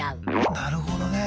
なるほどね。